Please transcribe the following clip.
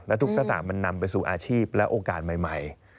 และทุกทักษะมันนำไปสู่อาชีพและโอกาสใหม่